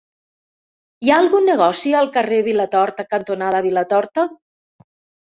Hi ha algun negoci al carrer Vilatorta cantonada Vilatorta?